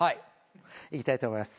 いきたいと思います。